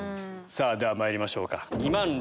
ではまいりましょうか。